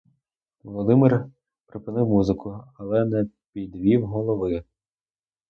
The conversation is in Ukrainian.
Володимир припинив музику, але не підвів голови.